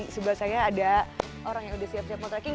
sebelah saya ada orang yang udah siap siap mau tracking